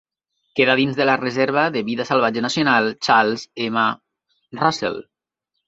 Queda dins de la Reserva de vida salvatge nacional Charles M. Russell.